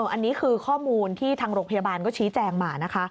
อันนี้คือข้อมูลที่ทางโรงพยาบาลก็ชี้แจงมานะคะ